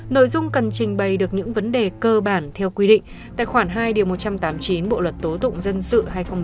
nội dung cần trình bày được những vấn đề cơ bản theo quy định tài khoản hai điều một trăm tám mươi chín bộ luật tố tụng dân sự hai nghìn một mươi năm